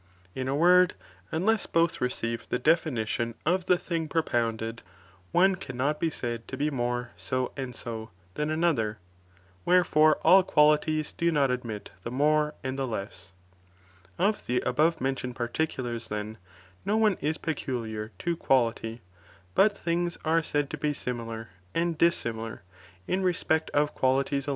In a word, unless both receive the definition of the thing propounded, one cannot be said to be more so and so, than another, wherefore all qualities do not admit the more and the less. Of the above mentioned particulars then, no perty of*qSaiity ^^^^^ peculiar to quality, but things are said to that similitude be similar, and dissimilar, in respect of qualities respect oVit.